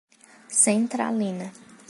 Centralina